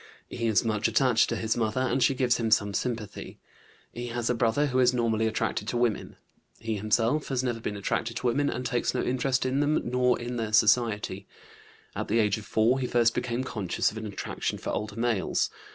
He is much attached to his mother, and she gives him some sympathy. He has a brother who is normally attracted to women. He himself has never been attracted to women, and takes no interest in them nor in their society. At the age of 4 he first became conscious of an attraction for older males.